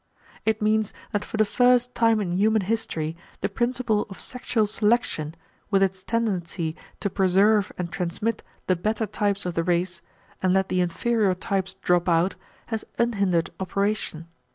It means that for the first time in human history the principle of sexual selection, with its tendency to preserve and transmit the better types of the race, and let the inferior types drop out, has unhindered operation.